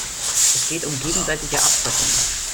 Es geht um gegenseitige Abschottung.